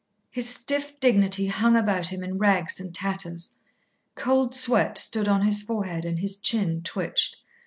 His stiff dignity hung about him in rags and tatters. Cold sweat stood on his forehead and his chin twitched.